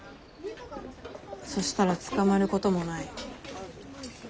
そしたら捕まることもない。